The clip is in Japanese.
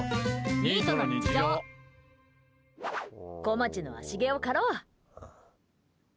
こまちの足毛を刈ろう。